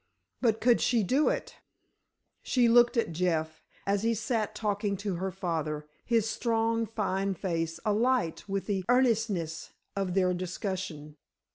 But could she do it? She looked at Jeff, as he sat talking to her father, his strong, fine face alight with the earnestness of their discussion.